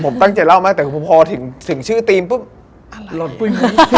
ผมตั้งใจเล่ามากแต่พอถึงชื่อธีมปุ๊ยมุ้ย